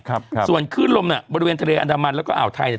ครับครับส่วนขึ้นลมน่ะบริเวณทะเลอันดามันแล้วก็อ่าวไทยเนี้ย